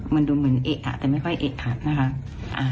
มันดูเหมือนเอกแต่ไม่ค่อยเอกนะครับ